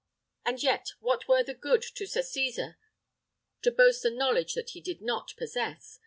And yet, what were the good to Sir Cesar to boast a knowledge that he did not possess?